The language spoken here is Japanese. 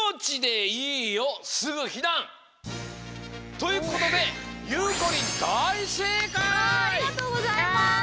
ということでありがとうございます！